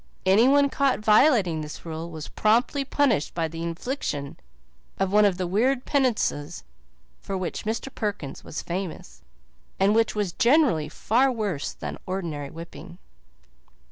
Anyone caught violating this rule was promptly punished by the infliction of one of the weird penances for which Mr. Perkins was famous, and which were generally far worse than ordinary whipping.